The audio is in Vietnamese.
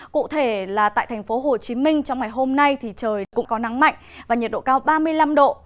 cụ thể là tại thành phố hồ chí minh trong ngày hôm nay thì trời cũng có nắng mạnh và nhiệt độ cao ba mươi năm độ